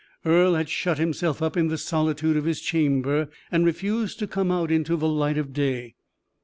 Earle had shut himself up in the solitude of his chamber, and refused to come out into the light of day.